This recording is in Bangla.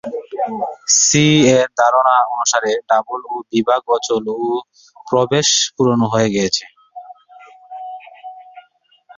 সি-এর ধারণা অনুসারে "ডাবল ও" বিভাগ অচল ও বেশ পুরানো হয়ে গেছে।